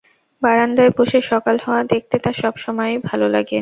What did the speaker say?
বারান্দায় বসে সকাল হওয়া দেখতে তাঁর সবসময়ই ভালো লাগে।